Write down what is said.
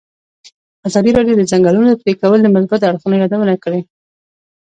ازادي راډیو د د ځنګلونو پرېکول د مثبتو اړخونو یادونه کړې.